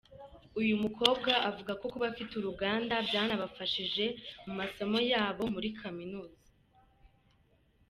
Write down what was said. Uyu mukoba avuga ko kuba bafite uruganda byanabafashije mu masomo yabo muri Kaminuza.